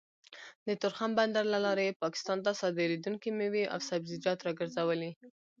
د تورخم بندر له لارې يې پاکستان ته صادرېدونکې مېوې او سبزيجات راګرځولي